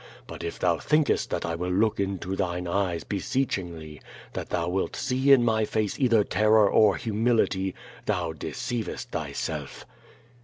But if thou thinkest that I will look into thine eyes beseechingly, that thou wilt see in my face either terror or humility, thou deceivest thyself."